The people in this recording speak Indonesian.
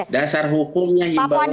dasar hukumnya himbauannya